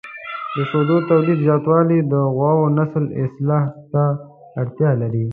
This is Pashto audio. د شیدو تولید زیاتول د غواوو نسل اصلاح ته اړتیا لري.